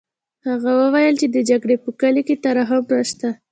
هغه وویل چې د جګړې په کلي کې ترحم نشته